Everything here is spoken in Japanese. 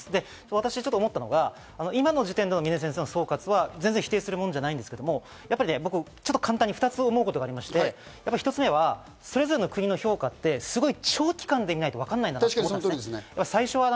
私、ちょっと思ったのは、今の時点での峰先生の総括は否定するものはないんですけど、簡単に２つ思うことがあって、１つ目はそれぞれの国の評価って長期間で見ないとわからないと思います。